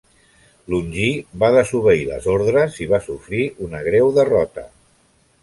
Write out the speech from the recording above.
Longí va desobeir les ordres i va sofrir una greu derrota.